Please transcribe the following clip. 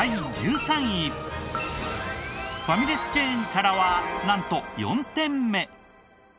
ファミレスチェーンからはなんと４店目。